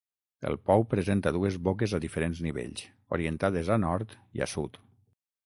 El pou presenta dues boques a diferents nivells, orientades a nord i a sud.